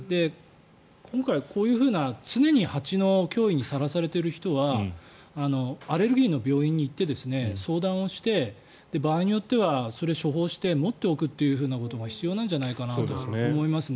今回、こういう常に蜂の脅威にさらされている人はアレルギーの病院に行って相談をして場合によっては処方して持っておくということが必要なんじゃないかなと思いますね。